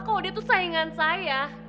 kok dia tuh saingan saya